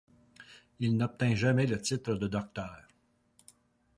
Il n'obtint jamais le titre de docteur.